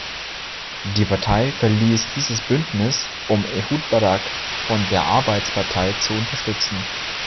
Die Partei verließ dieses Bündnis, um Ehud Barak von der Arbeitspartei zu unterstützen.